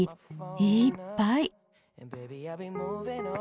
いっぱい！